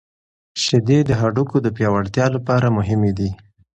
شیدې د هډوکو د پیاوړتیا لپاره مهمې دي.